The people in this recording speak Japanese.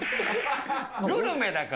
グルメだから。